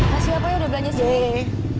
kasih apa ya udah belanja sih